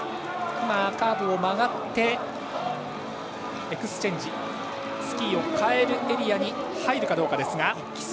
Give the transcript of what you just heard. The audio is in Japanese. カーブを曲がってエクスチェンジスキーをかえるエリアに入るかどうか。